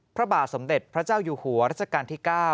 พระบาทสมเด็จพระเจ้าอยู่หัวรัชกาลที่๙